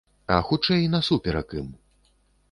А, хутчэй, насуперак ім.